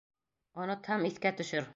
Онотһам, иҫкә төшөр!